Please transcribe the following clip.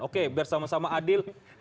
oke biar sama sama adil